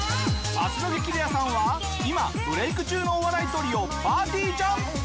明日の『激レアさん』は今ブレーク中のお笑いトリオぱーてぃーちゃん。